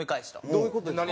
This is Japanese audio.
どういう事ですか？